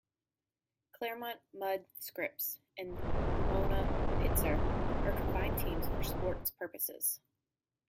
Claremont-Mudd-Scripps and Pomona-Pitzer are combined teams for sports purposes.